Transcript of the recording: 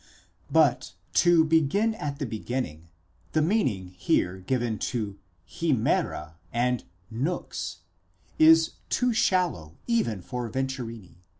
*® But, to begin at the beginning, the meaning here given to ἡμέρα and νὺξ is too shallow even for Venturini